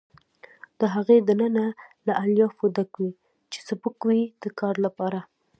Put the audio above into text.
د هغې دننه له الیافو ډک وي چې سپک وي د کار لپاره.